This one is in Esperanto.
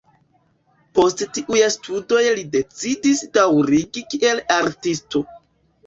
Post tiuj studoj li decidis daŭrigi kiel artisto.